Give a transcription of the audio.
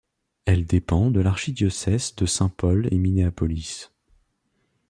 Elle dépend de l'archidiocèse de Saint Paul et Minneapolis.